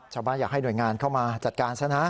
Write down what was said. อยากให้หน่วยงานเข้ามาจัดการซะนะ